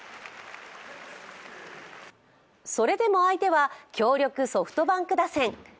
それでも相手は強力ソフトバンク打線。